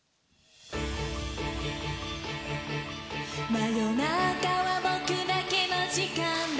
真夜中は僕だけの時間だ